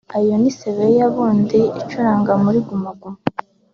Ayo ni Sebeya Band icuranga muri Guma Guma